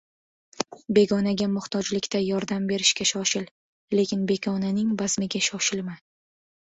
• Begonaga muhtojlikda yordam berishga shoshil, lekin begonaning bazmiga shoshilma.